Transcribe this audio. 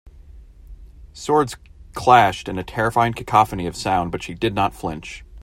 Swords clashed in a terrifying cacophony of sound but she did not flinch.